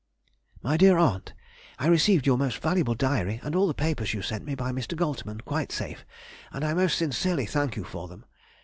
MY DEAR AUNT,— I received your most valuable diary and all the papers you sent me by Mr. Goltermann quite safe, and I most sincerely thank you for them.